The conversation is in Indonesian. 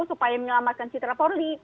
supaya menyelamatkan citra polri